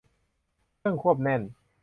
เครื่องควบแน่น